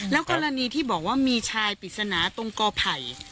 แล้วกรณีที่บอกว่ามีชายปริศนาตรงกอไผ่